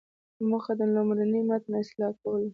موخه د لومړني متن اصلاح کول وو.